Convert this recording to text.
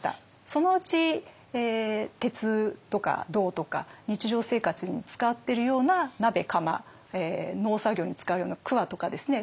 そのうち鉄とか銅とか日常生活に使ってるような鍋釜農作業に使うようなくわとかですね